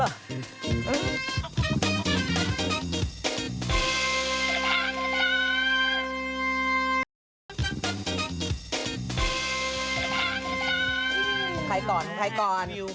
ขอถ่ายก่อนขอถ่ายก่อน